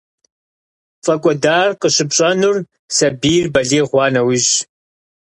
ПфӀэкӀуэдар къыщыпщӀэнур сабийр балигъ хъуа нэужьщ.